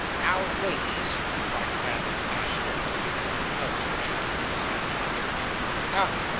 'Now, ladies,' cried the man with the ash stick, looking into the coach, and shaking Mrs. Sanders to wake her, 'Come!